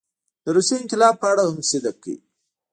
د روسیې انقلاب په اړه هم صدق کوي.